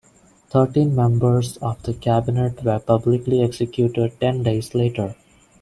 Thirteen members of the Cabinet were publicly executed ten days later.